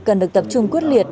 cần được tập trung quyết liệt